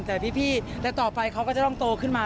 แต่พี่และต่อไปเขาก็จะต้องโตขึ้นมา